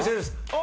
あ！